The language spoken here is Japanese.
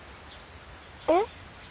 えっ？